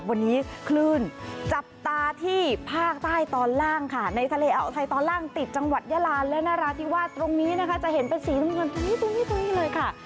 วันนี้คลื่นจับตาที่ภาคใต้ตอนล่างค่ะในทะเลอาวไทยตอนล่างติดจังหวัดยาลาและนราธิวาสตรงนี้นะคะจะเห็นเป็นสีน้ำเงินตรงนี้ตรงนี้เลยค่ะ